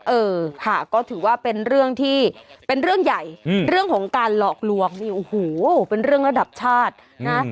เออค่ะก็ถือว่าเป็นเรื่องที่เป็นเรื่องใหญ่เรื่องของการหลอกลวงนี่โอ้โหเป็นเรื่องระดับชาตินะ